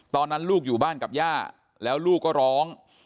ตอนนั้นลูกอยู่บ้านกับย่าแล้วลูกก็ร้อง